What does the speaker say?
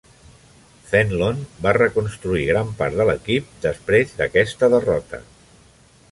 Fenlon va reconstruir gran part de l'equip després d'aquesta derrota.